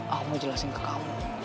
aku mau jelasin ke kamu